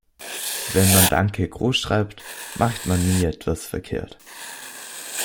Wenn man "Danke" großschreibt, macht man nie etwas verkehrt.